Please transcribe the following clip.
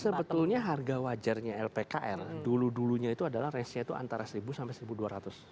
sebetulnya harga wajarnya lpkr dulu dulunya itu adalah rangenya itu antara seribu sampai seribu dua ratus